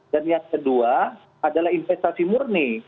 dan yang kedua adalah investasi murni